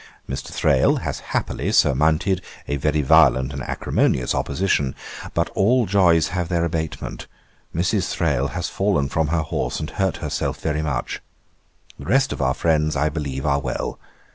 'Mr. Thrale has happily surmounted a very violent and acrimonious opposition; but all joys have their abatement: Mrs. Thrale has fallen from her horse, and hurt herself very much. The rest of our friends, I believe, are well.